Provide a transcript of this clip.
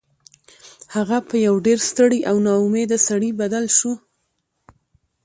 هغه په یو ډیر ستړي او ناامیده سړي بدل شو